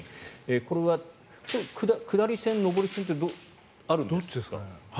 これは下り線、上り線ってあるんですかね。